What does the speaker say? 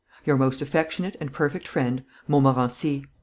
"Your most affectionate and perfect friend, "Montmorency.